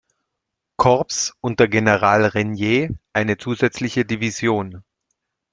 Korps unter General Reynier eine zusätzliche Division.